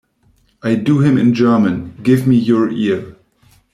I do him in German; give me your ear.